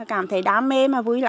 cảm thấy đam mê mà vui lắm